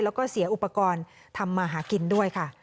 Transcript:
แล้วก็เสียอุปกรณ์ทำมาหากินด้วยค่ะ